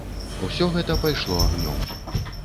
Усё гэта пайшло агнём.